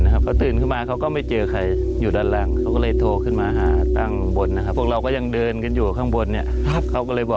ในชุดข่าวทุ่งข่าวห่มข่าวครับ